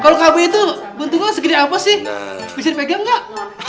kalau kamu itu bentuknya segini apa sih bisa dipegang nggak